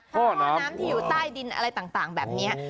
ท่อน้ำที่อยู่ใต้ดินอะไรต่างแบบนี้